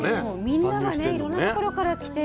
みんながねいろんな所から来て。